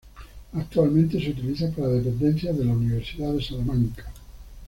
Actualmente se utiliza para dependencias de la Universidad de Salamanca.